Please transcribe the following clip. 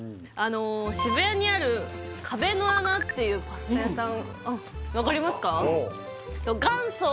渋谷にある壁の穴っていうパスタ屋さんわかりますか？